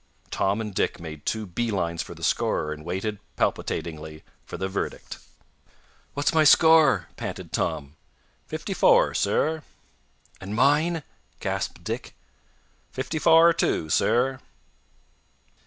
Tom and Dick made two bee lines for the scorer and waited palpitatingly for the verdict. "What's my score?" panted Tom. "Fifty fower, sur." "And mine?" gasped Dick. "Fifty fower, too, sur."